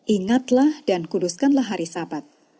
ingatlah dan kuduskanlah hari sabat